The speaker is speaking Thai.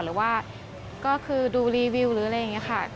หรือว่าก็คือดูรีวิวหรืออะไรอย่างนี้ค่ะ